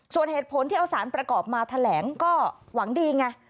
ส่วนเหตุผลที่เอาสารประกอบมาแถลงก็หวังดีไง